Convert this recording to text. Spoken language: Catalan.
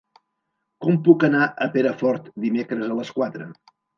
Com puc anar a Perafort dimecres a les quatre?